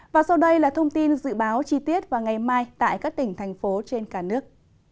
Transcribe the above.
và sau đây là thông tin dự báo chi tiết vào ngày mai tại các tỉnh thành phố trên cả nước